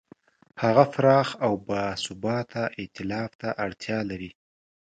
هغه پراخ او باثباته ایتلاف ته اړتیا لري.